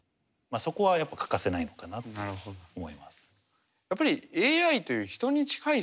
そこはやっぱ欠かせないのかなって思います。